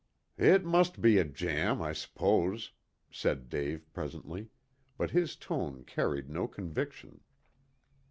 "It must be a jam, I s'pose," said Dave presently, but his tone carried no conviction.